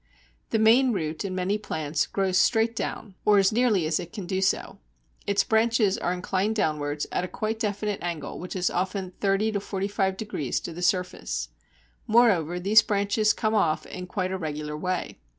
The main root in many plants grows straight down, or as nearly as it can do so. Its branches are inclined downwards at a quite definite angle which is often 30° 45° to the surface. Moreover, these branches come off in quite a regular way.